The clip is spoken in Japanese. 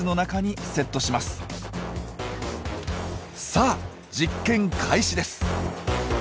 さあ実験開始です！